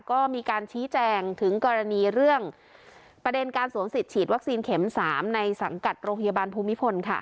ก็มีการชี้แจงถึงกรณีเรื่องประเด็นการสวมสิทธิฉีดวัคซีนเข็ม๓ในสังกัดโรงพยาบาลภูมิพล